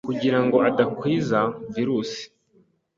kugira ngo adakwiza virus,